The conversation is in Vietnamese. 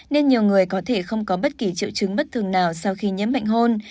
nên nhiều người có thể không có bất kỳ triệu chứng bất thường nào sau khi nhiễm bệnh hô